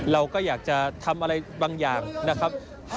เราก็อยากจะทำอะไรบางอย่างนะครับ